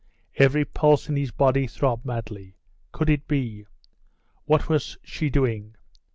Every pulse in his body throbbed madly.... Could it be? What was she doing?